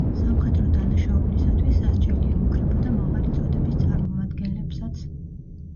სამხედრო დანაშაულისათვის სასჯელი ემუქრებოდა მაღალი წოდების წარმომადგენლებსაც.